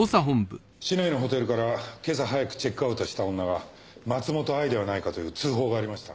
市内のホテルから今朝早くチェックアウトした女が松本藍ではないかという通報がありました。